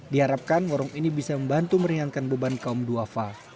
diharapkan warung ini bisa membantu meringankan beban kaum duafa